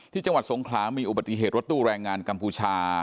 จังหวัดสงขลามีอุบัติเหตุรถตู้แรงงานกัมพูชา